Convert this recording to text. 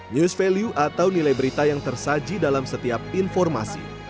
news value atau nilai berita yang tersaji dalam setiap informasi